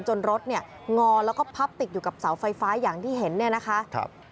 จนรถงอแล้วก็พับติดอยู่กับเสาไฟฟ้าอย่างที่เห็นนะคะ